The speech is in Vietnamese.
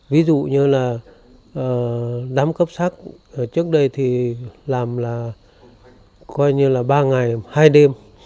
ví dụ như là đám cấp sát trước đây thì làm là ba ngày hai đêm